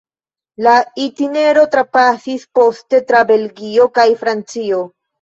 La itinero trapasis poste tra Belgio kaj Francio.